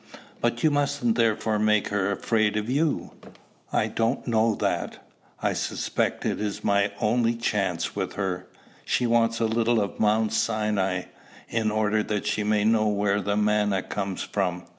"But you mustn't therefore make her afraid of you." "I don't know that. I suspect it is my only chance with her. She wants a little of Mount Sinai, in order that she may know where the manna comes from.